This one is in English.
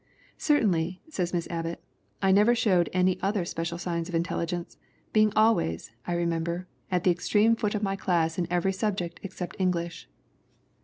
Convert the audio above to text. "Certainly," says Miss Abbott, "I never showed any other special signs of intelligence, being always, I remember, at the extreme foot of my class in every subject except English.